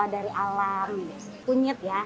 dari alam kunyit ya